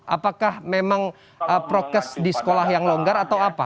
apakah memang prokes di sekolah yang longgar atau apa